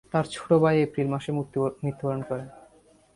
তার ছোট ভাই এপ্রিল মাসে মৃত্যুবরণ করে।